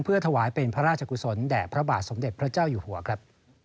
เพื่อถวายเป็นพระราชกุศลแด่พระบาทสมเด็จพระเจ้าอยู่หัวครับ